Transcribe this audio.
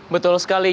betul sekali yudha